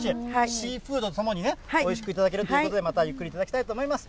シーフードとともにね、おいしく頂けるということで、またゆっくり頂きたいと思います。